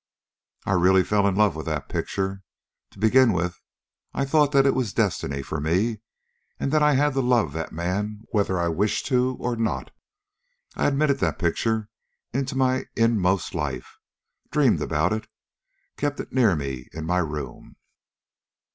"I really fell in love with that picture. To begin with, I thought that it was destiny for me, and that I had to love that man whether I wished to or not. I admitted that picture into my inmost life, dreamed about it, kept it near me in my room.